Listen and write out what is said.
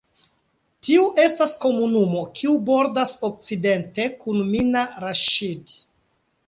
Tiu estas komunumo kiu bordas okcidente kun Mina Raŝid.